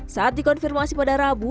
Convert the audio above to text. saat dikonfirmasi pada rabu